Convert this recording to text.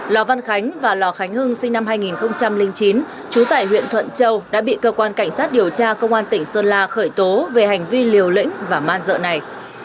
lò văn khánh và lò khánh hưng sinh năm hai nghìn chín trú tại huyện thuận châu đã bị cơ quan cảnh sát điều tra công an tỉnh sơn la khởi tố về hành vi liều lĩnh và man dợ này